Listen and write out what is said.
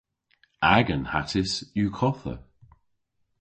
Agan hattys yw kottha.